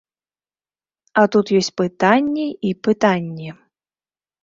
А тут ёсць пытанні і пытанні.